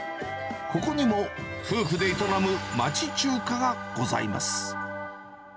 ここにも夫婦で営む町中華がございます。